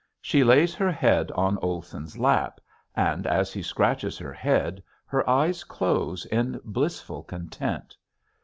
She lays her head on Olson's lap and as he scratches her head her eyes close in blissful content.